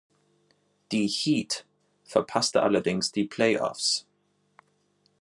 Die Heat verpasste allerdings die Playoffs.